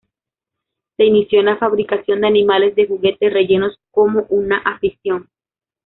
Se inició en la fabricación de animales de juguete rellenos como una afición.